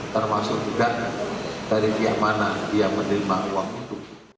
termasuk juga dari pihak mana dia menerima uang itu